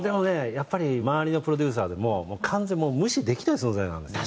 やっぱり周りのプロデューサーでも完全にもう無視できない存在なんですよね。